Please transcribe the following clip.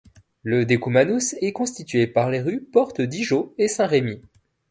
Le decumanus est constitué par les rues Porte Dijeaux et Saint Rémy.